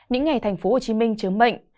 những ngày tp hcm chứng mệnh